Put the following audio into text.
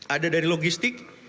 ada dari logistik